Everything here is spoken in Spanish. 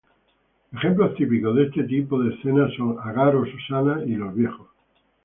Ejemplos típicos de este tipo de escena son Agar o Susana y los viejos.